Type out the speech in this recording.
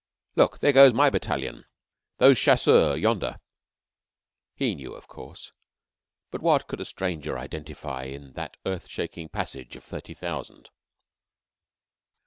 Look! There goes my battalion! Those Chasseurs yonder." He knew, of course; but what could a stranger identify in that earth shaking passage of thirty thousand?